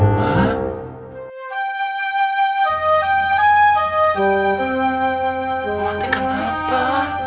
mbak teh kenapa